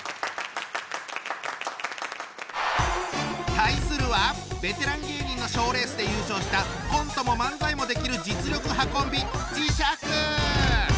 対するはベテラン芸人の賞レースで優勝したコントも漫才もできる実力派コンビ！